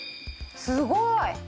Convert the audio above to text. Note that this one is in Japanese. すごい！